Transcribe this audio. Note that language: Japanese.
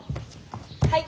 はい！